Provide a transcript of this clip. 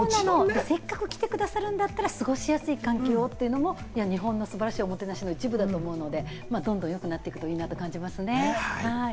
せっかく来て下さるんだったら、過ごしやすい環境をというのは日本の素晴らしいおもてなしの一部だと思うので、どんどんよくなっていくといいなと感じますね。